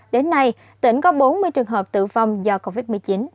đến nay tỉnh có bốn mươi trường hợp tử vong do covid một mươi chín